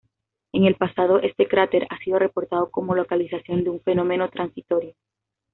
En el pasado este cráter ha sido reportado como localización de un fenómeno transitorio.